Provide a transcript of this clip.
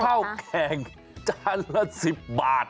ข้าวแข่งจานละ๑๐บาท